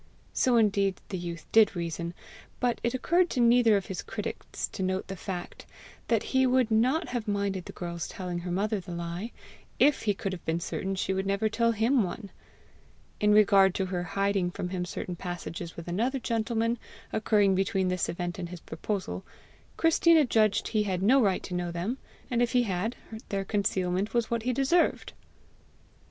So indeed the youth did reason; but it occurred to neither of his critics to note the fact that he would not have minded the girl's telling her mother the lie, if he could have been certain she would never tell HIM one! In regard to her hiding from him certain passages with another gentleman, occurring between this event and his proposal, Christina judged he had no right to know them, and if he had, their concealment was what he deserved.